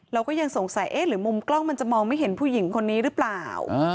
เราก็ยังสงสัยเอ๊ะหรือมุมกล้องมันจะมองไม่เห็นผู้หญิงคนนี้หรือเปล่า